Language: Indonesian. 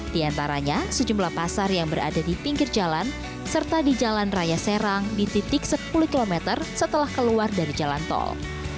di antaranya sejumlah pasar yang berada di pinggir jalan serta di jalan raya serang di titik sepuluh km setelah keluar dari jalan tol